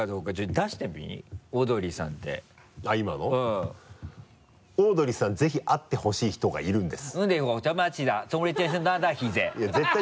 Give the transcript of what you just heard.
田中君「オードリーさん、ぜひ会ってほしい人がいるんです。」